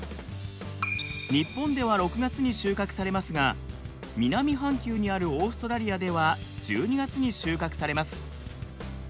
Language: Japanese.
日本では６月に収穫されますが南半球にあるオーストラリアでは１２月に収穫されます。